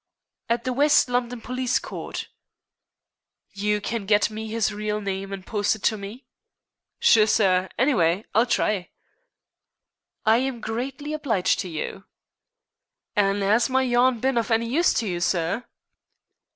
"At the West London Police Court." "You can get me his real name and post it to me?" "Sure, sir. Anyway, I'll try." "I am greatly obliged to you." "An' 'as my yarn bin of any use to you, sir?"